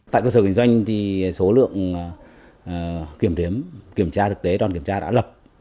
tại cơ sở kinh doanh số lượng kiểm đếm kiểm tra thực tế đoàn kiểm tra đã lập